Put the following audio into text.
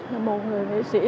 là một người nghệ sĩ